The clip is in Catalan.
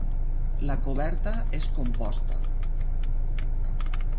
La coberta és composta.